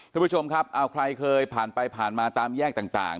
ทุกผู้ชมครับเอาใครเคยผ่านไปผ่านมาตามแยกต่าง